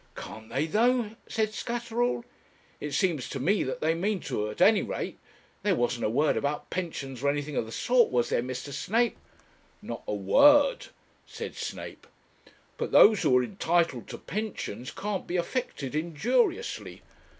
'Can't they though!' said Scatterall. 'It seems to me that they mean to, at any rate; there wasn't a word about pensions or anything of that sort, was there, Mr. Snape?' 'Not a word,' said Snape. 'But those who are entitled to pensions can't be affected injuriously.